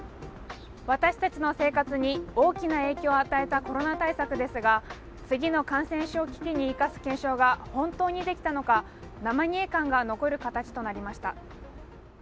私たちの生活に大きな影響を与えたコロナ対策ですが次の感染症危機に生かす検証が本当にできたのか、生煮え感が残る形となりました。